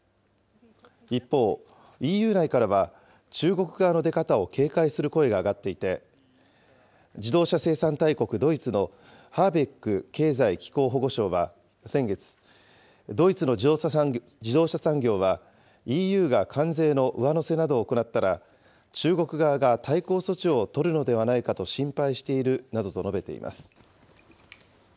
一方、ＥＵ内からは、中国側の出方を警戒する声が上がっていて、自動車生産大国、ドイツのハーベック経済・気候保護相は先月、ドイツの自動車産業は、ＥＵが関税の上乗せなどを行ったら、中国側が対抗措置を取るのではないかと心配しているなどと述べています。